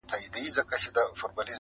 o د غوښتو دارو، ورکړه دي!